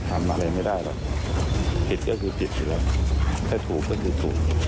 ทำอะไรไม่ได้หรอกผิดก็คือผิดอยู่แล้วถ้าถูกก็คือถูก